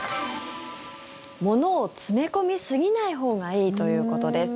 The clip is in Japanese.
物を詰め込みすぎないほうがいいということです。